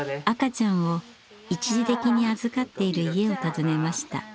赤ちゃんを一時的に預かっている家を訪ねました。